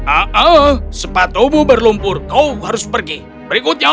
aa sepatumu berlumpur kau harus pergi berikutnya